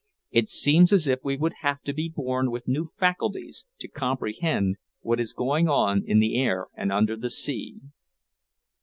It seems as if we would have to be born with new faculties, to comprehend what is going on in the air and under the sea."